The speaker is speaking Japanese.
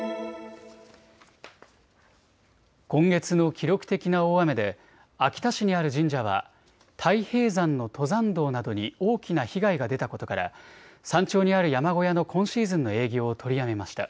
今月の記録的な大雨で秋田市にある神社は太平山の登山道などに大きな被害が出たことから山頂にある山小屋の今シーズンの営業を取りやめました。